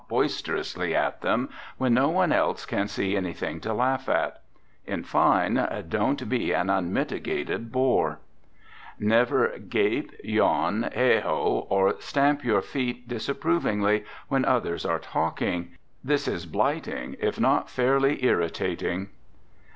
boisterously at them when no one else can see anything to laugh at. In fine, don't be an unmitigated bore. Never gape, yawn, "heigh ho," or stamp your feet disapprovingly, when others are talking. This is blighting, if not fairly irritating.